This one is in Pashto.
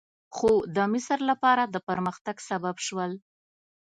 خو د مصر لپاره د پرمختګ سبب شول.